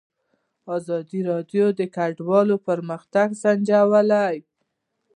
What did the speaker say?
ازادي راډیو د کډوال پرمختګ سنجولی.